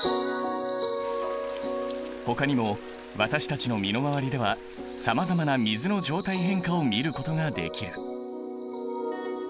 ほかにも私たちの身の回りではさまざまな水の状態変化を見ることができる。